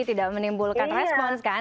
tidak menimbulkan respons kan